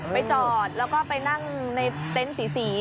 ไปจอดไปนั่งในเต้นสี